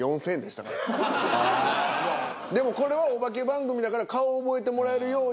でもこれはお化け番組だから顔覚えてもらえるように。